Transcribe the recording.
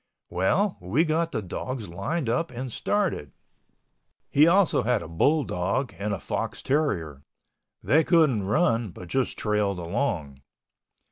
Well, we got the dogs lined up and started. He also had a bull dog and a fox terrier. They couldn't run but just trailed along.